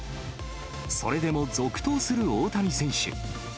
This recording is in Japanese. それでも続投する大谷選手。